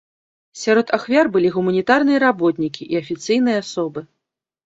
Сярод ахвяр былі гуманітарныя работнікі і афіцыйныя асобы.